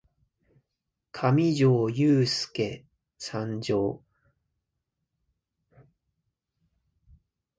かみじょーゆーすーけ参上！